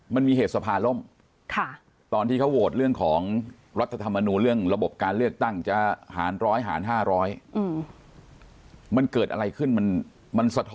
มันมีเหตุสภารม